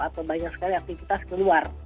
atau banyak sekali aktivitas keluar